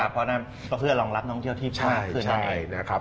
เพราะนั่นก็เพื่อนรองรับท่องเที่ยวที่ประมาณ๑๕ล้านคน